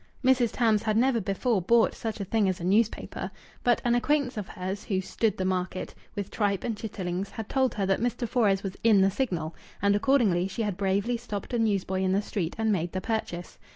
Mrs. Tams had never before bought such a thing as a newspaper, but an acquaintance of hers who "stood the market" with tripe and chitterlings had told her that Mr. Fores was "in" the Signal, and accordingly she had bravely stopped a news boy in the street and made the purchase.